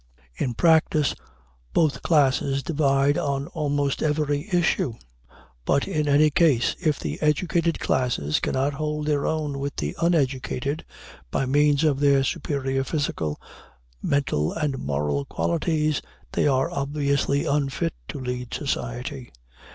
In practice, both classes divide on almost every issue. But, in any case, if the educated classes cannot hold their own with the uneducated, by means of their superior physical, mental, and moral qualities, they are obviously unfit to lead society.